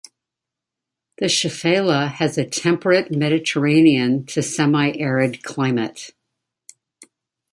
The Shfela has a temperate Mediterranean to semi-arid climate.